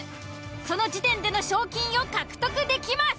その時点での賞金を獲得できます。